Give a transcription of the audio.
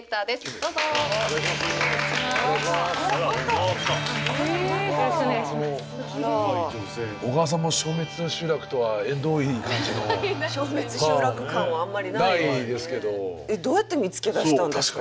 どうやって見つけ出したんですか？